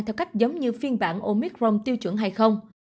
theo cách giống như phiên bản omicron tiêu chuẩn hay không